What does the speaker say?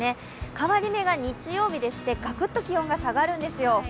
変わり目が日曜日でして、ガクッと気温が下がるんですよ。